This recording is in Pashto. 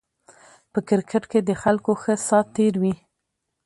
په کرکېټ کې د خلکو ښه سات تېر وي